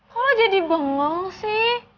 kok lo jadi bengong sih